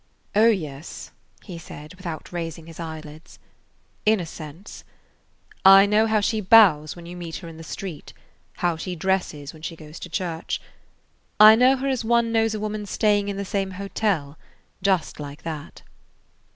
"Oh, yes," he said, without raising his eyelids, "in a sense. I know how she bows when you meet her in the street, how she dresses when she goes to church. I know her as one knows a woman stay [Page 62] ing in the same hotel, just like that."